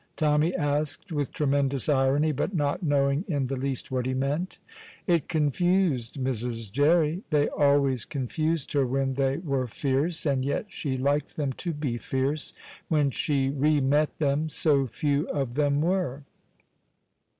Tommy asked with tremendous irony, but not knowing in the least what he meant. It confused Mrs. Jerry. They always confused her when they were fierce, and yet she liked them to be fierce when she re met them, so few of them were.